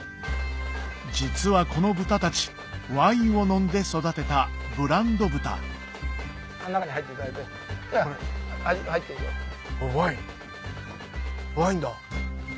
実はこの豚たちワインを飲んで育てたブランド豚これワイン。